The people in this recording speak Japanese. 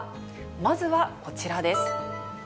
まずはこちらです。